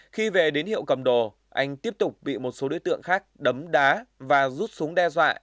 khi về đến hiệu cầm đồ anh tiếp tục bị một số đối tượng khác đấm đá và rút súng đe dọa